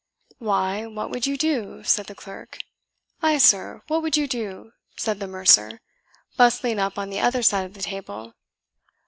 "Why, what would you do?" said the clerk. "Ay, sir, what would you do?" said the mercer, bustling up on the other side of the table.